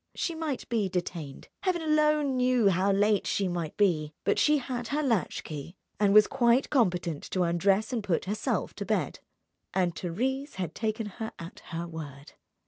She might be detained, Heaven alone knew how late she might be; but she had her latch key and was quite competent to undress and put herself to bed. And Thérèse had taken her at her word.